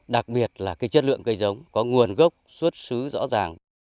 đặc biệt là cái chất lượng cây giống có nguồn gốc xuất xứ rõ ràng